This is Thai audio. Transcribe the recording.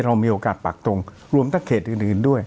เรามีโอกาสปากตรงรวมทั้งเขตอื่นด้วย